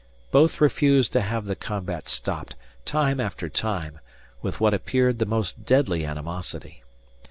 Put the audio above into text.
Both refused to have the combat stopped, time after time, with what appeared the most deadly animosity.